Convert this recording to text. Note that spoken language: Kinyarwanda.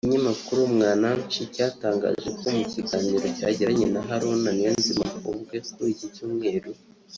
Ikinyamakuru Mwananchi cyatangaje ko mu kiganiro cyagiranye na Haruna Niyonzima ubwe kuri iki Cyumweru